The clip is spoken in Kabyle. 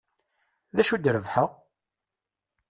D acu i d-rebḥeɣ?